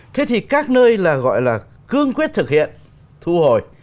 thế thì các nơi là gọi là cương quyết thực hiện thu hồi